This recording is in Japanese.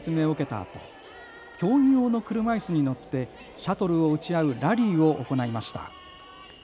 あと競技用の車いすに乗ってシャトルを打ち合うラリーを行いました。